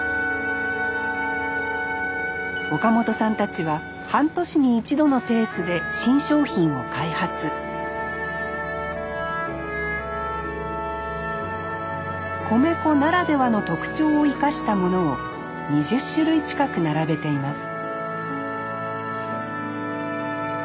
岡本さんたちは半年に一度のペースで新商品を開発米粉ならではの特長を生かしたものを２０種類近く並べています